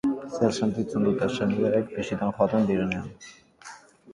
Zer sentitzen dute senideek bisitan joaten direnean?